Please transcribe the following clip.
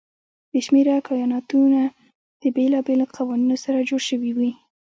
بې شمېره کایناتونه د بېلابېلو قوانینو سره جوړ شوي وي.